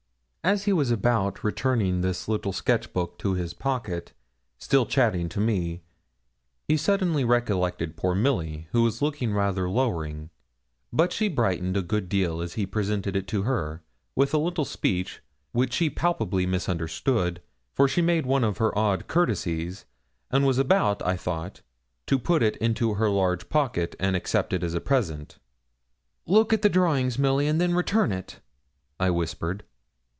As he was about returning this little sketch book to his pocket, still chatting to me, he suddenly recollected poor Milly, who was looking rather lowering; but she brightened a good deal as he presented it to her, with a little speech which she palpably misunderstood, for she made one of her odd courtesies, and was about, I thought, to put it into her large pocket, and accept it as a present. 'Look at the drawings, Milly, and then return it,' I whispered.